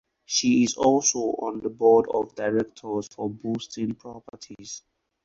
She is also on the board of directors for Boston Properties.